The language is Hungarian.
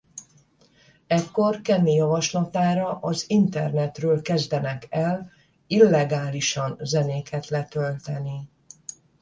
Ekkor Kenny javaslatára az internetről kezdenek el illegálisan zenéket letölteni.